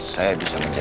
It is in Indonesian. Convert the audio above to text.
saya bisa mencari anda